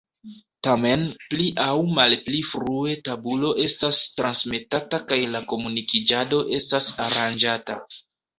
Tamen pli aŭ malpli frue tabulo estas transmetata kaj la komunikiĝado estas aranĝata.